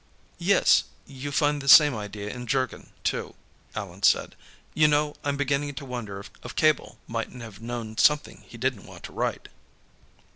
"Yes. You find the same idea in 'Jurgen' too," Allan said. "You know, I'm beginning to wonder if Cabell mightn't have known something he didn't want to write."